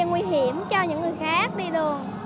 nguy hiểm cho những người khác đi đường